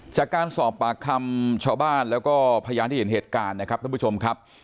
จากการสอบปากคำชาวบ้านแล้วก็พยานที่เห็นเหตุการณ์นะครับท่านผู้ชมครับ